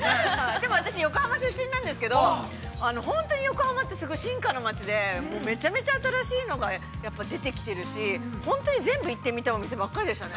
◆でも私横浜出身なんですけど、本当に横浜ってすごい進化の街で、めちゃめちゃ新しいのが出てきてるし、本当に全部行ってみたいお店ばっかりでしたね。